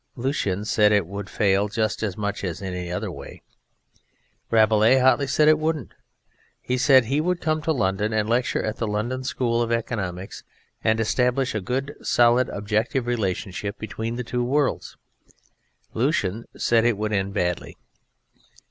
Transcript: Lucian said it would fail just as much as any other way; Rabelais hotly said it wouldn't. He said he would come to London and lecture at the London School of Economics and establish a good solid objective relationship between the two worlds. Lucian said it would end badly.